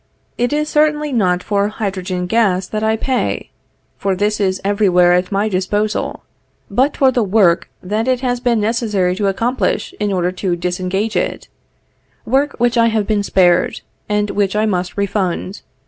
It is certainly not for hydrogen gas that I pay, for this is every where at my disposal, but for the work that it has been necessary to accomplish in order to disengage it; work which I have been spared, and which I must refund.